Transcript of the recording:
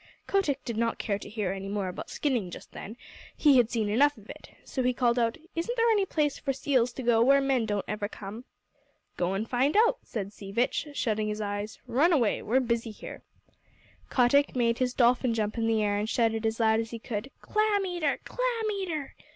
Kotick did not care to hear any more about skinning just then; he had seen enough of it. So he called out: "Isn't there any place for seals to go where men don't ever come?" "Go and find out," said Sea Vitch, shutting his eyes. "Run away. We're busy here." Kotick made his dolphin jump in the air and shouted as loud as he could: "Clam eater! Clam eater!"